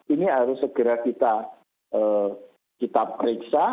ini harus segera kita periksa